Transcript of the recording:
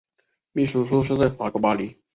秘书处设在法国巴黎。